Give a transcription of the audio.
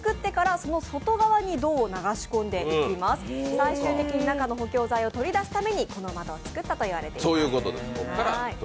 最終的に中の補強材を造るためにこの窓を作ったと言われています。